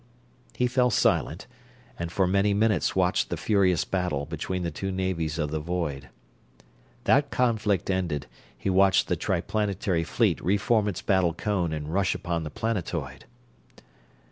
He fell silent, and for many minutes watched the furious battle between the two navies of the void. That conflict ended, he watched the Triplanetary fleet reform its battle cone and rush upon the planetoid.